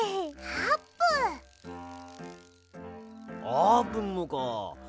あーぷんもかあ。